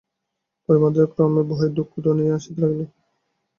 পরিবারের মধ্যে ক্রমে ভয় ও দুঃখ ঘনাইয়া আসিতে লাগিল।